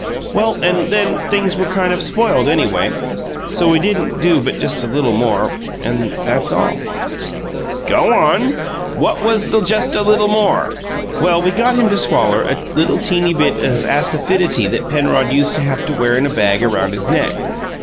Well, and then things were kind of spoiled, anyway; so we didn't do but just a little more and that's all." "Go on! What was the 'just a little more?'" "Well we got him to swaller a little teeny bit of asafidity that Penrod used to have to wear in a bag around his neck.